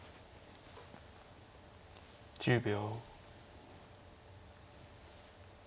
１０秒。